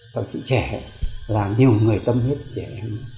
nhạc sĩ trẻ là nhiều người tâm huyết trẻ em